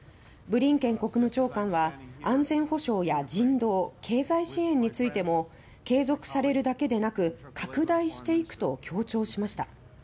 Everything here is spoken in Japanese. ブリンケン国務長官は安全保障や人道経済支援についても「継続されるだけでなく拡大していく」と強調しました。